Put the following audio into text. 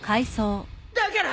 だから！